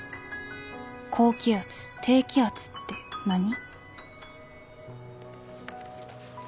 高気圧・低気圧ってなに？」